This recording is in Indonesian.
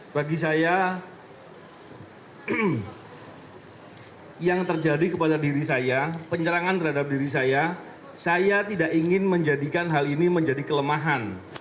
bagi saya yang terjadi kepada diri saya penyerangan terhadap diri saya saya tidak ingin menjadikan hal ini menjadi kelemahan